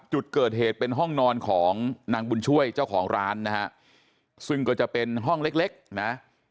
จุดเกิดเหตุเป็นห้องนอนของนางบุญช่วยเจ้าของร้านนะฮะซึ่งก็จะเป็นห้องเล็กเล็กนะ